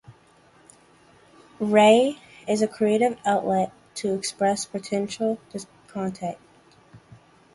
Rai is a creative outlet to express political discontent.